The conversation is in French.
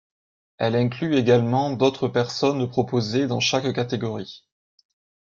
Elle inclut également d'autres personnes proposées dans chaque catégorie.